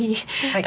はい。